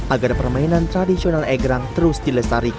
agar permainan tersebut bisa berjalan dengan baik